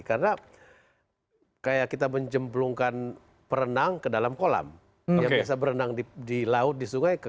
karena kayak kita menjemplungkan perenang ke dalam kolam yang biasa berenang di laut di sungai ke